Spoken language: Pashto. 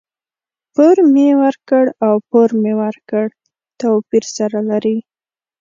پور مي ورکړ او پور مې ورکړ؛ توپير سره لري.